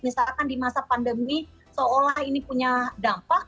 misalkan di masa pandemi seolah ini punya dampak